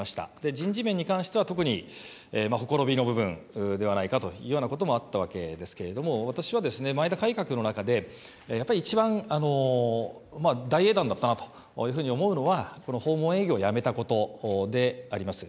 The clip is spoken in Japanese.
人事面に関しては、特にほころびの部分ではないかというようなこともあったわけですけれども、私は、前田改革の中で、やっぱり、一番大英断だったなというふうに思うのは、この訪問営業をやめたことであります。